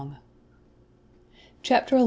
CHAPTER XI.